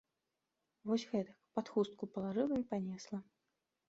Вось гэтак, пад хустку палажыла і панесла.